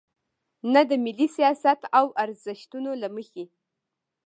نه د ملي سیاست او ارزښتونو له مخې.